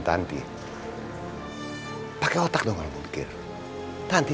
tanti tak inget apa